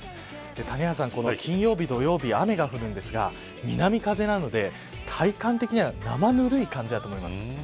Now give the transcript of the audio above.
谷原さん、金曜日、土曜日雨が降るんですが南風なので、体感的には生ぬるい感じだと思います。